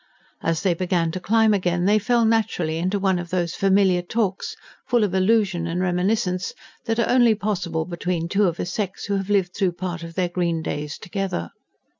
As they began to climb again they fell naturally into one of those familiar talks, full of allusion and reminiscence, that are only possible between two of a sex who have lived through part of their green days together.